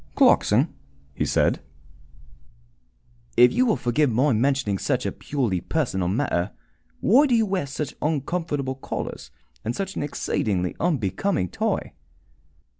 "Clarkson," he said, "if you will forgive my mentioning a purely personal matter, why do you wear such uncomfortable collars and such an exceedingly unbecoming tie?"